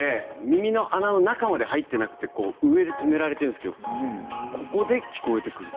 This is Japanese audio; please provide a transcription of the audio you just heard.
耳の中まで入っていなくて上で留められているんですけどここで聞こえてくる。